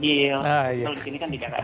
ini kan tidak ada